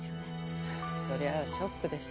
そりゃあショックでした。